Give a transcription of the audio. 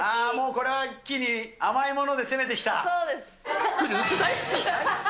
これは一気に甘いもので攻めそうです。